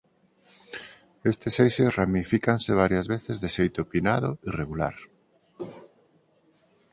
Estes eixes ramifícanse varias veces de xeito pinnado irregular.